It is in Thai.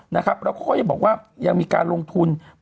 แล้วก็ก็ยังบอกว่ายังมีการลงทุน